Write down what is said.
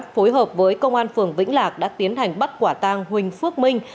phối hợp với công an phường vĩnh lạc đã tiến hành bắt quả tang huỳnh phước minh